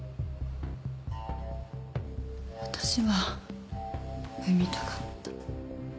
私は産みたかった。